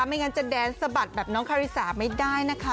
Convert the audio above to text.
ไม่งั้นจะแดนสะบัดแบบน้องคาริสาไม่ได้นะคะ